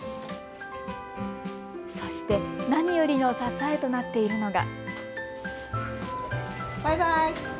そして、何よりの支えとなっているのが。